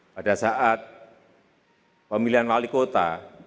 pada saat pemilihan wali kota